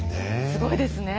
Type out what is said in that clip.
すごいですね。